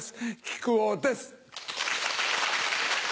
木久扇です！